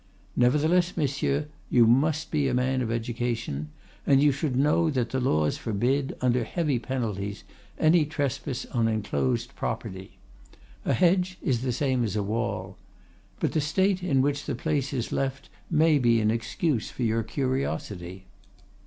Nevertheless, monsieur, you must be a man of education, and you should know that the laws forbid, under heavy penalties, any trespass on enclosed property. A hedge is the same as a wall. But, the state in which the place is left may be an excuse for your curiosity.